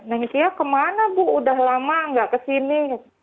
neng sia kemana bu udah lama gak kesini